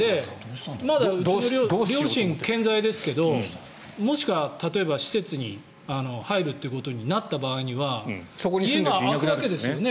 まだうちの両親、健在ですけどもし施設に入ることになった場合家が空くわけですよね。